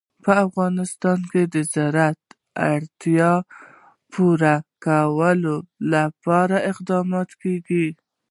په افغانستان کې د زراعت د اړتیاوو پوره کولو لپاره اقدامات کېږي.